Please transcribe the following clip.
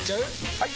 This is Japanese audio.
・はい！